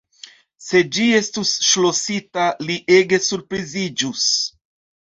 Se ĝi estus ŝlosita, li ege surpriziĝus.